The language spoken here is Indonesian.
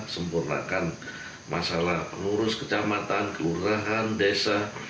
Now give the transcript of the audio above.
sempurna kan masalah pengurus kecamatan keurahan desa